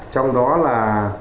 trong đó là